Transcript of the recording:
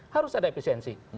harus ada efisiensi